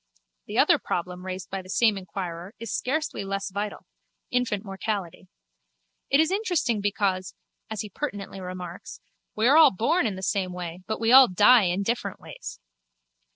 The other problem raised by the same inquirer is scarcely less vital: infant mortality. It is interesting because, as he pertinently remarks, we are all born in the same way but we all die in different ways.